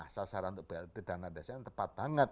sasaran untuk blt dana desa yang tepat banget